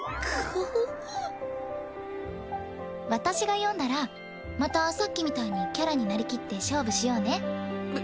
私が読んだらまたさっきみたいにキャラになりきって勝負しようね。